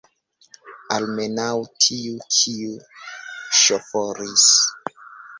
Almenaŭ tiu, kiu ŝoforis!